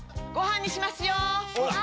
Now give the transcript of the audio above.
ごはんにしますよ。